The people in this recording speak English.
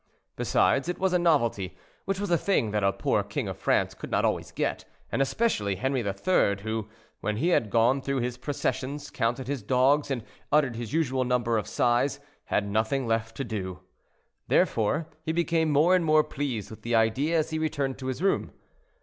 Besides, it was a novelty, which was a thing that a poor king of France could not always get, and especially Henri III., who, when he had gone through his processions, counted his dogs, and uttered his usual number of sighs, had nothing left to do. Therefore he became more and more pleased with the idea as he returned to his room.